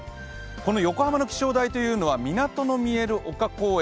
この横浜の気象台というのは港の見える丘公園